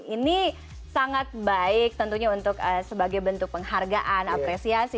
ini sangat baik tentunya untuk sebagai bentuk penghargaan apresiasi